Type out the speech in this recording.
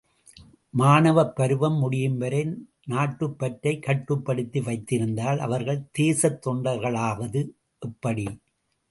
மாணவப் பருவம் முடியும்வரை நாட்டுப்பற்றைக் கட்டுப்படுத்தி வைத்திருந்தால், அவர்கள் தேசத் தொண்டர்களாவது எப்படி?